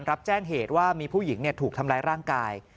รับแจ้งเหตุว่ามีผู้หญิงถูกทำร้ายร่างกาย